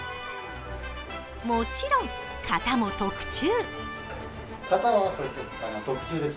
もちろん型も特注。